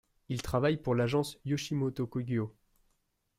Ils travaillent pour l'agence Yoshimoto Kogyo.